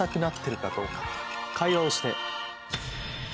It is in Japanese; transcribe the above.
会話をして。